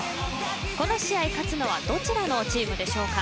この試合勝つのはどちらのチームでしょうか。